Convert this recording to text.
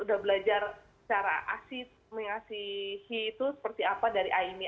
udah belajar cara mengasihi itu seperti apa dari aimi